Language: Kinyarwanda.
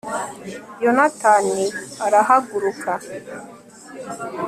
yonatani arahaguruka